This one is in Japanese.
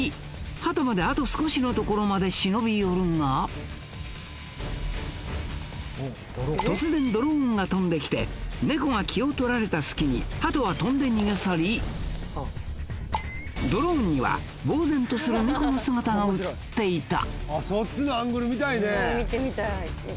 ハトまであと少しのところまで忍び寄るが突然ドローンが飛んできて猫が気を取られた隙にハトは飛んで逃げ去りドローンにはぼうぜんとする猫の姿が写っていたそっちのアングル見たいね